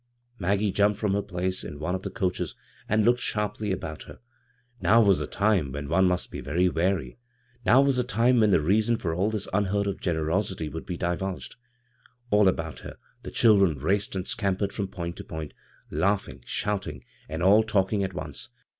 Maggie jumped from her place in one of the coaches and looked sharply about her. Now was the time when one must be very wary ; now was the time when the reason lor all this unheard of generosity would be di vulged. All about her the diildren raced and scampered from point to point, laugh ing, shouting, and alt talking at once.